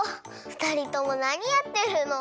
ふたりともなにやってるの？